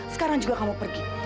sekarang juga kamu pergi